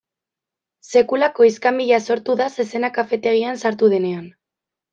Sekulako iskanbila sortu da zezena kafetegian sartu denean.